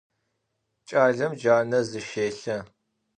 Ç'alem caner zışêlhe.